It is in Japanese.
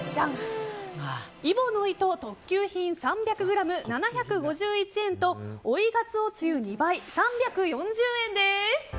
揖保乃糸特級品３００ｇ、７５１円と追いがつおつゆ２倍３４０円です。